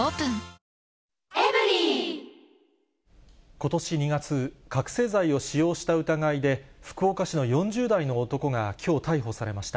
ことし２月、覚醒剤を使用した疑いで福岡市の４０代の男がきょう逮捕されました。